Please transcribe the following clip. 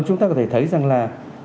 chúng ta có thể thấy rằng là